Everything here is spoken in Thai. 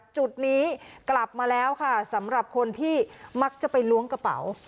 จุดนี้กลับมาแล้วค่ะสำหรับคนที่มักจะไปล้วงกระเป๋า